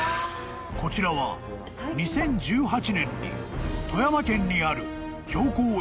［こちらは２０１８年に富山県にある標高